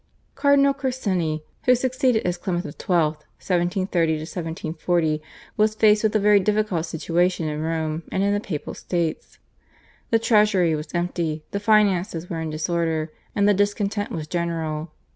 Cardinal Corsini who succeeded as Clement XII. (1730 1740) was faced with a very difficult situation in Rome and in the Papal States. The treasury was empty, the finances were in disorder, and the discontent was general.